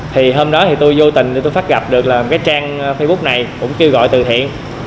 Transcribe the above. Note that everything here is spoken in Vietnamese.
thì hôm đó tôi vô tình phát gặp được trang facebook này cũng kêu gọi từ thiện